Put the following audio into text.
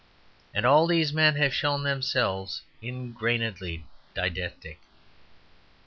And all these men have shown themselves ingrainedly didactic.